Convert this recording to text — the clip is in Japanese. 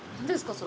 それ。